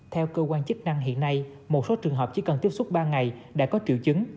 theo cơ quan chức năng hiện nay một số trường hợp chỉ cần tiếp xúc ba ngày đã có triệu chứng